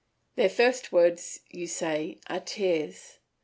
Their first words you say are tears.